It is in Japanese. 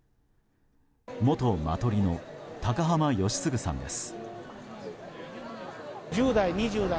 元マトリの高濱良次さんです。